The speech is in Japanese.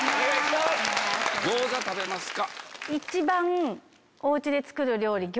餃子食べますか？